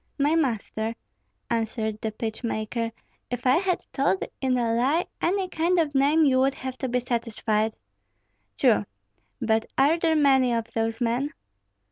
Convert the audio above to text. "My master," answered the pitch maker, "if I had told in a lie any kind of name, you would have to be satisfied." "True! But are there many of those men?"